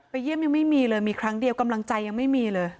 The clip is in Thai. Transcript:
เยี่ยมยังไม่มีเลยมีครั้งเดียวกำลังใจยังไม่มีเลย